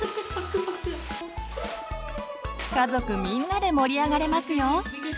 家族みんなで盛り上がれますよ！